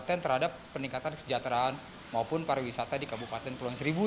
yang terhadap peningkatan kesejahteraan maupun pariwisata di kabupaten kepulauan seribu